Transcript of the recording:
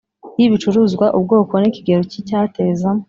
Y Ibicuruzwa Ubwoko N Ikigero Cy Icyateza